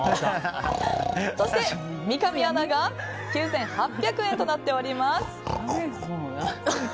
そして三上アナが９８００円となっております。